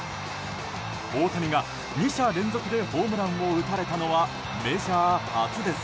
大谷が２者連続でホームランを打たれたのはメジャー初です。